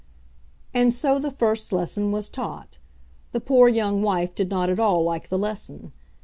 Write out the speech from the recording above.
And so the first lesson was taught. The poor young wife did not at all like the lesson.